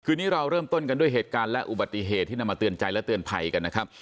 นี้เราเริ่มต้นกันด้วยเหตุการณ์และอุบัติเหตุที่นำมาเตือนใจและเตือนภัยกันนะครับ